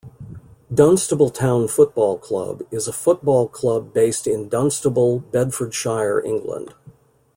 Dunstable Town Football Club is a football club based in Dunstable, Bedfordshire, England.